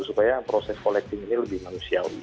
supaya proses collecting ini lebih manusiawi